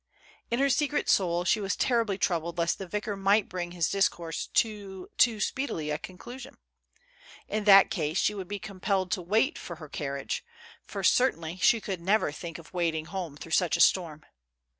In her secret soul, she was terribly troubled lest the vicar might bring his discourse to too speedy a conclu sion. In that case, she would be compelled to wait for her carriage, for, certainly, she could never think of wading home through such a storm.